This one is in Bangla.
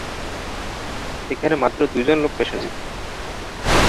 সেখানে মাত্র দুই জন লোক পেশাজীবী।